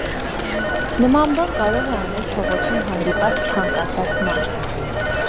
Նման բան կարող է անել փողոցում հանդիպած ցանկացած մարդ։